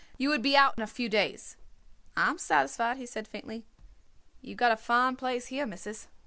"You would be out in a few days." "I am satisfied," he said faintly. "You got a fine place here, Missis."